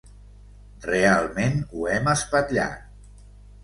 Realment ho hem espatllat.